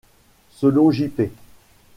Selon J-P.